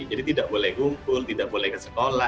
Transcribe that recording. jadi tidak boleh ngumpul tidak boleh ke sekolah